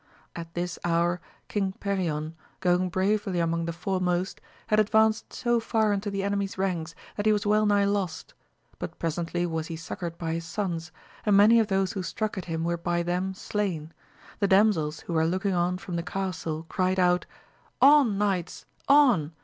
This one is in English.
At this hour King Perion, going bravely among the foremost, had advanced so far into the enemies ranks that he was well nigh lost, but presently was he succoured by his sons, and many of those who struck at him were by them slain ; the damsels who were looking on from the castle cried out, on Knights, on